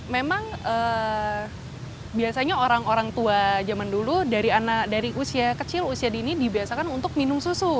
memang biasanya orang orang tua zaman dulu dari usia kecil usia dini dibiasakan untuk minum susu